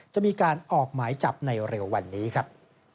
จะมีการออกหมายจับในเร็ววันนี้ครับ